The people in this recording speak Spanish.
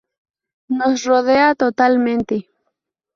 Nos rodea totalmente.